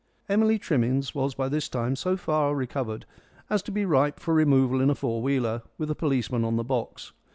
Emily Trimmins was by this time so far recovered as to be ripe for removal in a four wheeler, with a policeman on the box.